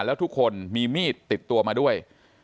แล้วทุกคนมีมีดติดตัวมาด้วย